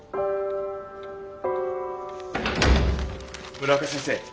村岡先生。